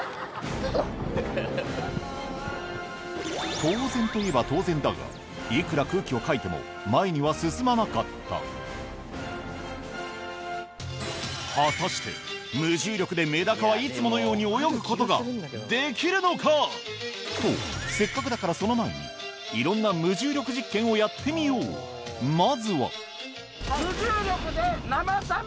当然といえば当然だがいくら空気をかいても前には進まなかった果たして無重力でメダカはいつものように泳ぐことができるのか？とせっかくだからその前にいろんな無重力実験をやってみようまずはどっち？